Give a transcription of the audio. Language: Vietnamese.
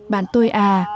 bạn tôi à